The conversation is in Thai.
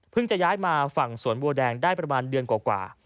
จะย้ายมาฝั่งสวนบัวแดงได้ประมาณเดือนกว่า